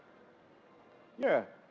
terima kasih pak